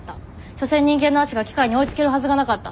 所詮人間の足が機械に追いつけるはずがなかった。